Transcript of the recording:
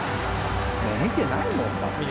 もう見てないもんだって。